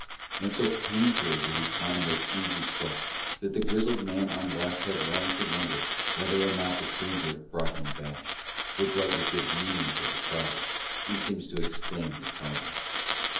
And so painfully did he climb those easy steps that the grizzled man on watch had long to wonder whether or not the stranger brought him bash, the drug that gives a meaning to the stars and seems to explain the twilight.